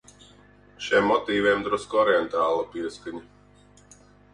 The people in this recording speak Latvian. Šiem motīviem drusku orientāla pieskaņa.